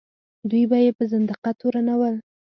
دوی به یې په زندقه تورنول.